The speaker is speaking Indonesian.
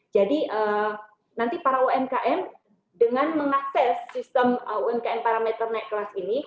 jadi nanti para umkm dengan mengakses sistem umkm parameter naik kelas ini